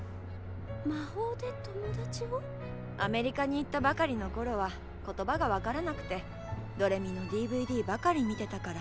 アメリカに行ったばかりの頃は言葉が分からなくて「どれみ」のＤＶＤばかり見てたから。